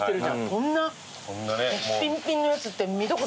こんなピンピンのやつって見たことないかも。